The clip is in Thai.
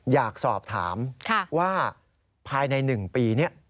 อยากสอบถามว่าภายใน๑ปีนี้